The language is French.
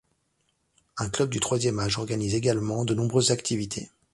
Un club du troisième âge organise également de nombreuses activités.